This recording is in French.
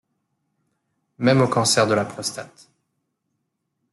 Même au cancer de la prostate.